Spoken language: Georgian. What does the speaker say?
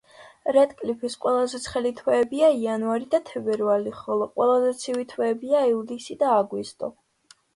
რედკლიფის ყველაზე ცხელი თვეებია იანვარი და თებერვალი, ხოლო ყველაზე ცივი თვეებია ივლისი და აგვისტო.